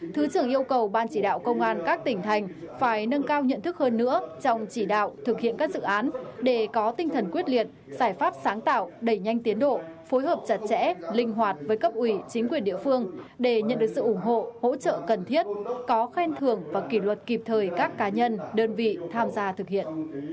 thứ trưởng yêu cầu ban chỉ đạo công an các tỉnh thành phải nâng cao nhận thức hơn nữa trong chỉ đạo thực hiện các dự án để có tinh thần quyết liệt giải pháp sáng tạo đẩy nhanh tiến độ phối hợp chặt chẽ linh hoạt với cấp ủy chính quyền địa phương để nhận được sự ủng hộ hỗ trợ cần thiết có khen thường và kỷ luật kịp thời các cá nhân đơn vị tham gia thực hiện